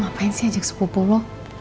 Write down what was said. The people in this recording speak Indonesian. ngapain sih ajak sepupu lu